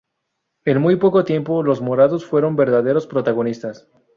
En muy poco tiempo, los morados fueron verdaderos protagonistas.